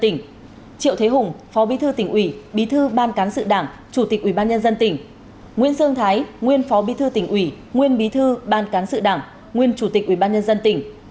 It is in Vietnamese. triệu thế hùng phó bí thư tỉnh ủy bí thư ban cán dự đảng chủ tịch ubnd tỉnh nguyễn sơn thái nguyên phó bí thư tỉnh ủy nguyên bí thư ban cán dự đảng nguyên chủ tịch ubnd tỉnh